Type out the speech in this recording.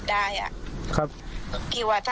ก็ดูแลกับพี่มาค่ะ